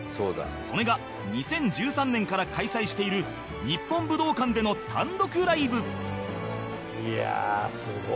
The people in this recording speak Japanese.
それが２０１３年から開催している日本武道館での単独ライブ